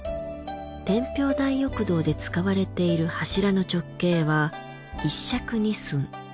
天平大浴堂で使われている柱の直径は一尺二寸。